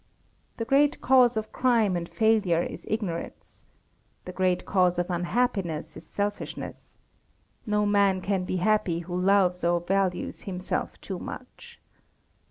The great cause of crime and failure is ignorance. The great cause of unhappiness is selfishness. No man can be happy who loves or values himself too much.